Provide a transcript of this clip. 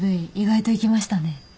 意外といきましたね。